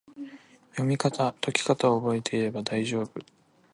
読みかた・解きかたを覚えていけば大丈夫！